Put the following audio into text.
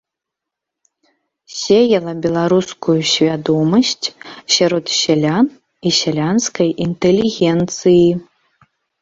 Сеяла беларускую свядомасць сярод сялян і сялянскай інтэлігенцыі.